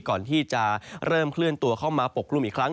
ก่อนที่จะเริ่มเคลื่อนตัวเข้ามาปกกลุ่มอีกครั้ง